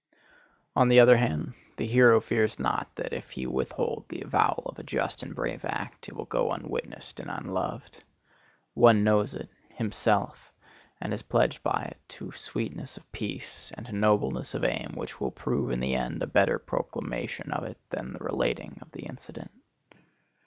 On the other hand, the hero fears not that if he withhold the avowal of a just and brave act it will go unwitnessed and unloved. One knows it,—himself,—and is pledged by it to sweetness of peace and to nobleness of aim which will prove in the end a better proclamation of it than the relating of the incident.